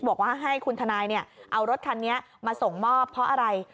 บอกว่าให้คุณทนายเอารถคันนี้มาส่งมอบเพราะอะไร